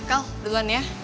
kal duluan ya